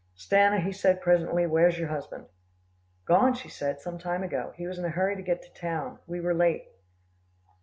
"Stanna," he said presently, "where's your husband?" "Gone," she said, "some time ago. He was in a hurry to get to town. We were late."